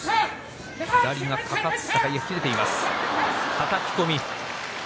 はたき込み。